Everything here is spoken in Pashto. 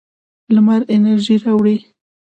لمر انرژي راوړي.